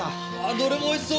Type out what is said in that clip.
どれも美味しそう！